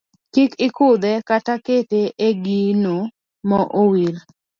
Kik ikudhe kata kete e gino ma owir.